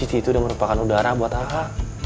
cici itu udah merupakan udara buat a a